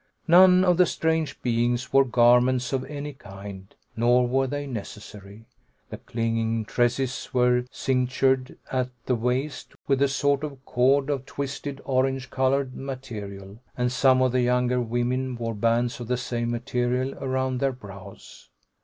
None of the strange beings wore garments of any kind, nor were they necessary. The clinging tresses were cinctured at the waist with a sort of cord of twisted orange colored material, and some of the younger women wore bands of the same material around their brows.